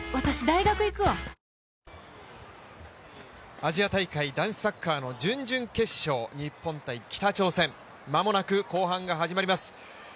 アジア大会男子サッカーの準々決勝、日本×北朝鮮、間もなく後半が始まります。